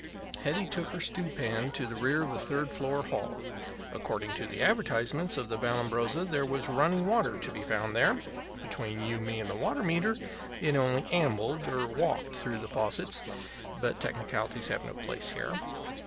Hetty took her stew pan to the rear of the third floor hall. According to the advertisements of the Vallambrosa there was running water to be found there. Between you and me and the water meter, it only ambled or walked through the faucets; but technicalities have no place here.